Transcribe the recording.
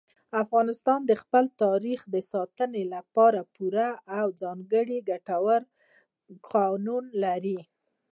افغانستان د خپل تاریخ د ساتنې لپاره پوره او ځانګړي ګټور قوانین لري.